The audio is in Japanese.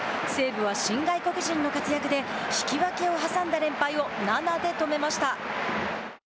西武は新外国人の活躍で引き分けを挟んだ連敗を７で止めました。